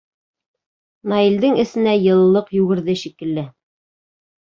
Наилдең эсенә йылылыҡ йүгерҙе шикелле.